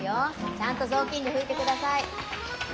ちゃんとぞうきんでふいてください。